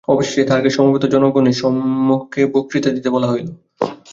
অবশেষে তাঁহাকে সমবেত জনগণের সমক্ষে বক্তৃতা দিতে বলা হইল।